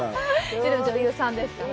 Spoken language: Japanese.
でも女優さんですから。